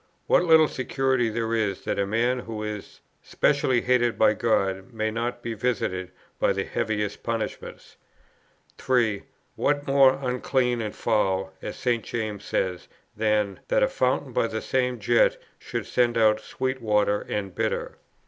What little security there is that a man who is specially hated by God may not be visited by the heaviest punishments. 3. What more unclean and foul, as St. James says, than ... that a fountain by the same jet should send out sweet water and bitter?